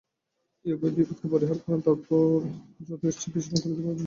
এই উভয় বিপদকে পরিহার করুন, তারপর আপনি যদৃচ্ছা বিচরণ করিতে পারেন।